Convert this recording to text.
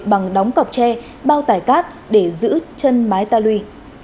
bằng đóng cọc tre bao tải cát để giữ chân mái ta lui